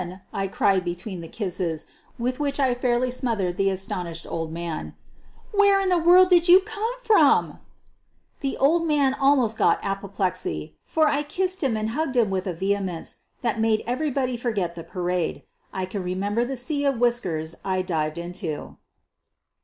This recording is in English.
I cried between the kisses, with which I fairly smothered the astonished old man; " where in the world did you come from?" The old man almost got apoplexy, for I kissed him QUEEN OF THE BURGLARS 247 and hugged him with a vehemence that made every body forget the parade. I can remember the sea of whiskers I dived into.